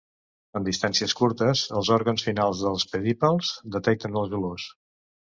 En distàncies curtes, els òrgans finals dels pedipalps detecten les olors.